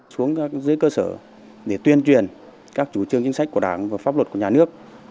xuống dưới cơ sở để tuyên truyền các chủ trương chính sách của đảng và pháp luật của nhà nước